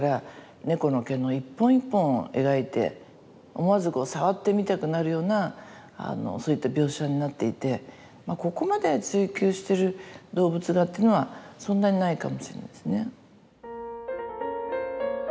思わずこう触ってみたくなるようなそういった描写になっていてここまで追求してる動物画っていうのはそんなにないかもしれないですね。